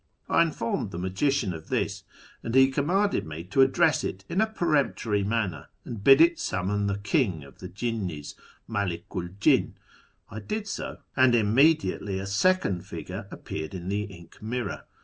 I informed the magician of this, aud he commanded me to address it in a peremptory manner and bid it summon the ' King of the jinnis ' {Mcdiku 'l jinn). I did so, and immediately a second figure appeared in the ink mirror.